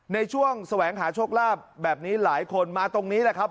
ในช่วงแสวงหาโชคลาภแบบนี้หลายคนมาตรงนี้แหละครับ